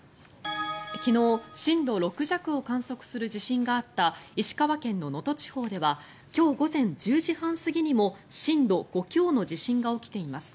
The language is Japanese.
昨日、震度６弱を観測する地震があった石川県の能登地方では今日午前１０時半過ぎにも震度５強の地震が起きています。